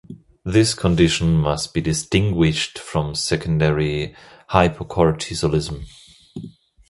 This condition must be distinguished from secondary hypocortisolism.